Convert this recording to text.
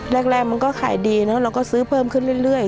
แรกมันก็ขายดีเนอะเราก็ซื้อเพิ่มขึ้นเรื่อย